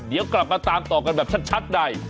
เดี๋ยวกลับมาตามต่อกันแบบชัดใน